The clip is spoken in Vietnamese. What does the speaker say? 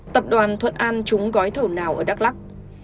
tập đoàn thuận an chúng gói thầu nào ở đắk lắc